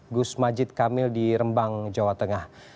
gus majid kamil di rembang jawa tengah